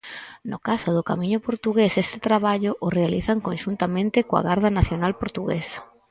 No caso do camiño portugués, este traballo o realizan conxuntamente coa Garda Nacional portuguesa.